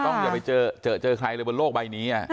ต้องอย่าไปเจอเจอเจอใครเลยบนโลกใบนี้อ่ะ